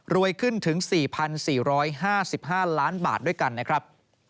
ขึ้นถึง๔๔๕๕ล้านบาทด้วยกันนะครับ